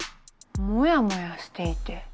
モヤモヤしていて。